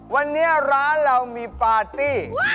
วันนี้ร้านเรามีปาร์ตี้